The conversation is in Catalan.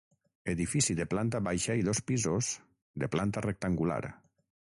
Edifici de planta baixa i dos pisos, de planta rectangular.